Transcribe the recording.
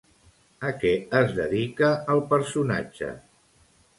A què es dedica el personatge?